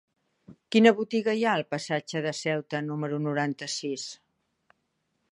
Quina botiga hi ha al passatge de Ceuta número noranta-sis?